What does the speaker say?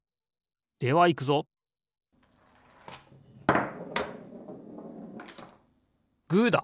ではいくぞグーだ！